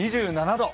２７度。